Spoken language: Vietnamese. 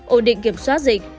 ổn định kiểm soát dịch